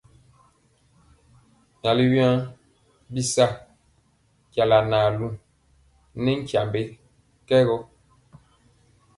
Myali wyɔ bisa janalu nkyambe ke gɔ.